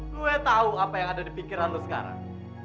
gue tahu apa yang ada di pikiran lo sekarang